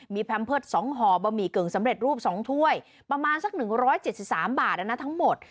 มีแพมเพิร์ต๒ห่อบะหมี่กึ่งสำเร็จรูป๒ถ้วยประมาณสัก๑๗๓บาททั้งหมด